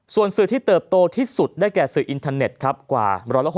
ส่วนสื่อที่เติบโตที่สุดได้แก่สื่ออินเทอร์เน็ตครับกว่า๑๖๐